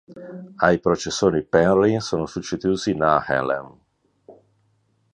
Ai processori Penryn sono succeduti i Nehalem.